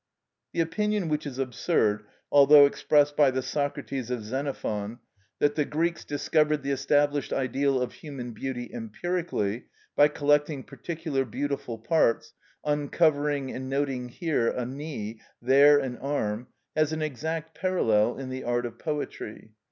(54) The opinion, which is absurd, although expressed by the Socrates of Xenophon (Stobæi Floril, vol. ii. p. 384) that the Greeks discovered the established ideal of human beauty empirically, by collecting particular beautiful parts, uncovering and noting here a knee, there an arm, has an exact parallel in the art of poetry.